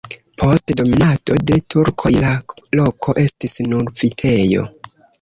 Post dominado de turkoj la loko estis nur vitejo.